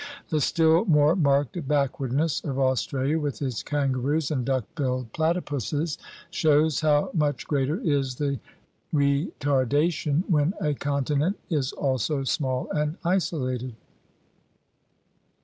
The still more marked backwardness of Australia with its kangaroos and duck billed 40 THE RED MAN'S CONTINENT platypuses shows how much greater is the retarda tion when a continent is also small and isolated.